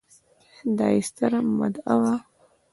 دا يې ستره مدعا ده